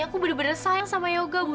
aku bener bener sayang sama yoga